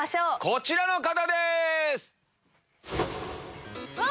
こちらの方です！